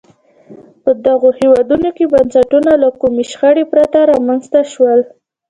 په دغو هېوادونو کې بنسټونه له کومې شخړې پرته رامنځته شول.